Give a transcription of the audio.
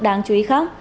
đáng chú ý khác